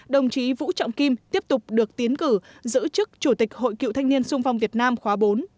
đồng chí vũ trọng kim tiếp tục được tiến cử giữ chức chủ tịch hội cựu thanh niên sung phong việt nam khóa bốn